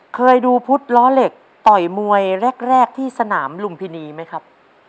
เคยดูพุทธล้อเหล็กต่อยมวยแรกที่สนามลุมพินีไหมครับ